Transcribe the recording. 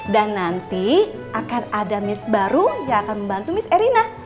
dan nanti akan ada miss baru yang akan membantu miss erina